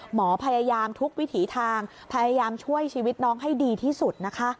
หมอพยายามทุกวิถีทางพยายามช่วยชีวิตน้องให้ดีที่สุดนะคะ